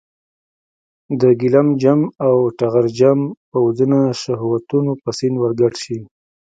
د ګیلم جم او ټغر جم پوځونه شهوتونو په سیند ورګډ شي.